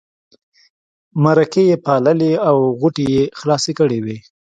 مرکې یې پاللې او غوټې یې خلاصې کړې وې.